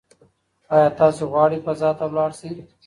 ایا تاسي غواړئ فضا ته لاړ شئ؟